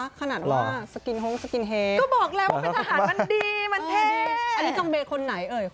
อันนี้ทางเบลคนไหนเอ่ย